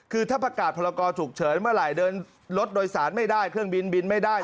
คือถ้าประกาศพรกรฉุกเฉินเมื่อไหร่เดินรถโดยสารไม่ได้เครื่องบินบินไม่ได้